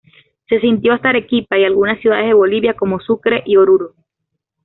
Se sintió hasta Arequipa y algunas ciudades de Bolivia como Sucre y Oruro.